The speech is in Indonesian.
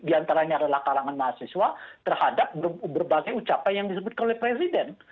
diantaranya adalah kalangan mahasiswa terhadap berbagai ucapan yang disebutkan oleh presiden